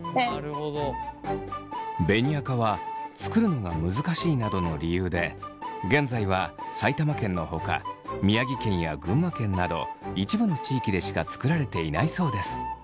紅赤は作るのが難しいなどの理由で現在は埼玉県のほか宮城県や群馬県など一部の地域でしか作られていないそうです。